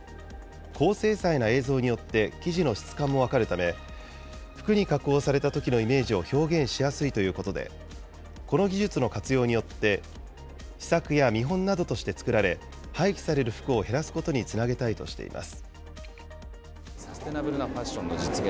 高精細な映像によって、生地の質感も分かるため、服に加工されたときのイメージを表現しやすいということで、この技術の活用によって、試作や見本などとして作られ、廃棄される服を減らすことにつなげたいとしています。